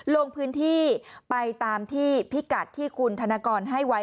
ลงพื้นที่ไปตามที่พิกัดที่คุณธนกรให้ไว้